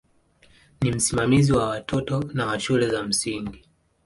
Ni msimamizi wa watoto na wa shule za msingi.